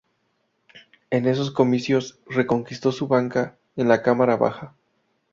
En esos comicios reconquistó su banca en la Cámara Baja.